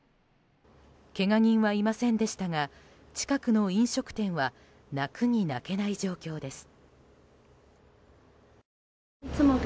けが人はいませんでしたが近くの飲食店は泣くに泣けない状況です。